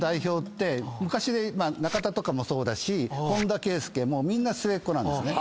中田とかもそうだし本田圭佑もみんな末っ子なんですね。